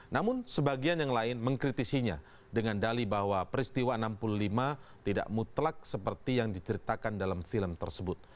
namun sebagian yang lain mengkritisinya dengan dali bahwa peristiwa enam puluh lima tidak mutlak seperti yang diceritakan dalam film tersebut